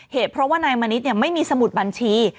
เหตุเพราะว่านายมณิษฐ์ไม่มีสมุดบัญชี